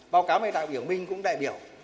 báo cáo về đạo biểu minh cũng đại biểu